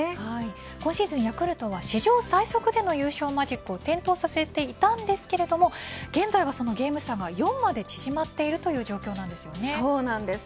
今シーズンヤクルトは史上最速での優勝マジックを点灯させていたんですが現在はそのゲーム差が４まで縮まっている状況です。